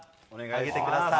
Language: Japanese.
上げてください。